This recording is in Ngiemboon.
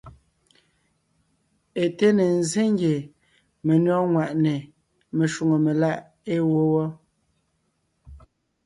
É té ne ńzsé ngie menÿɔ́g ŋwàʼne meshwóŋè meláʼ ée wó wɔ́.